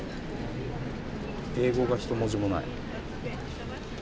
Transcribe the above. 英語が１文字もない。